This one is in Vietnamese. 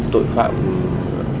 tội phạm đã lợi dụng sự sơ hở